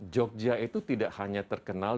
jogja itu tidak hanya terkenal